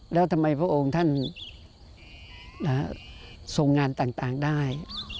แล้วทำไมพระองค์ท่านทรงงานต่างได้